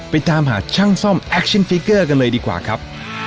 ตามหาช่างซ่อมแอคชั่นฟิกเกอร์กันเลยดีกว่าครับ